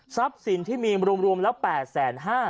ทรัพย์สินที่มีรวมแล้ว๘๕๐๐บาท